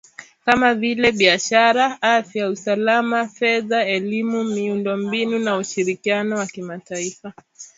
Kama vile biashara , afya , usalama , fedha , elimu , miundo mbinu na ushirikiano wa kimataifa.